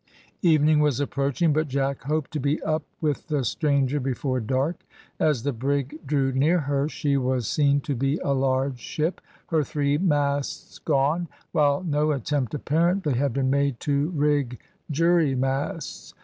Evening was approaching, but Jack hoped to be up with the stranger before dark. As the brig drew near her, she was seen to be a large ship, her three masts gone, while no attempt apparently had been made to rig jury masts.